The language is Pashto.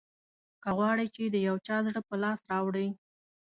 که غواړې چې د یو چا زړه په لاس راوړې.